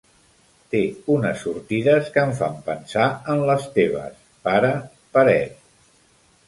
Té unes sortides que em fan pensar en les teves, pare paret.